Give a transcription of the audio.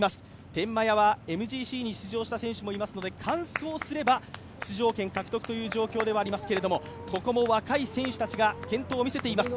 天満屋はＭＧＣに出場した選手もいますので完走すれば出場権獲得という状況ではありますがここも若い選手たちが健闘を見せています。